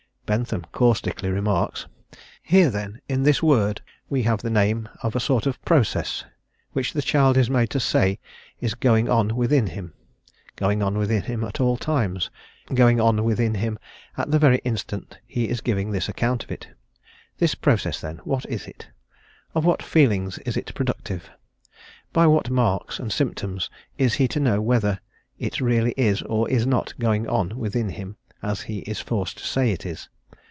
Bentham caustically remarks: "Here, then, in this word, we have the name of a sort of process, which the child is made to say is going on within him; going on within him at all times going on within him at the very instant he is giving this account of it. This process, then, what is it? Of what feelings is it productive? By what marks and symptoms is he to know whether it really is or is not going on within him, as he is forced to> say it is?